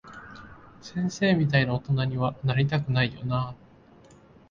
先生みたいな大人には、なりたくないよなぁ。